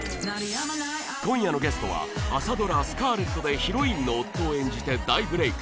今夜のゲストは朝ドラ『スカーレット』でヒロインの夫を演じて大ブレーク！